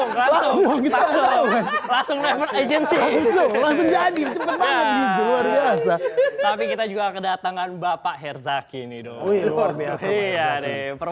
maju minju biju kita lebih teman wukou biasa tapi kita juga kedatangan bapak herzaki ini dominosia regoi